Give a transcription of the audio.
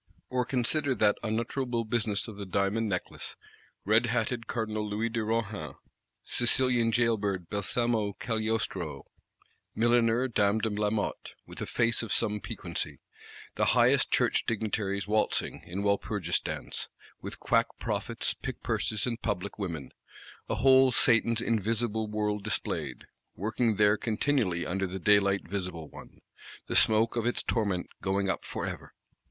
Or consider that unutterable business of the Diamond Necklace. Red hatted Cardinal Louis de Rohan; Sicilian jail bird Balsamo Cagliostro; milliner Dame de Lamotte, "with a face of some piquancy:" the highest Church Dignitaries waltzing, in Walpurgis Dance, with quack prophets, pickpurses and public women;—a whole Satan's Invisible World displayed; working there continually under the daylight visible one; the smoke of its torment going up for ever!